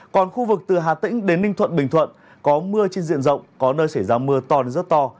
còn khu vực từ hà tĩnh đến ninh thuận bình thuận có mưa trên diện rộng có nơi xảy ra mưa to đến rất to